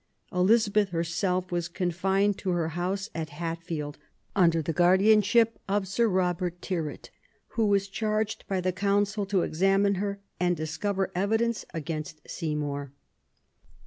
Elizabeth herself was confined to her house at Hatfield, under the guardianship of Sir Robert Tyrwhit, who was charged by the Council to examine her and discover evidence against Seymour.